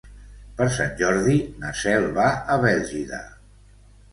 Per Sant Jordi na Cel va a Bèlgida.